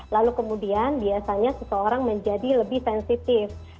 lalu kemudian biasanya seseorang menjadi lebih sensitif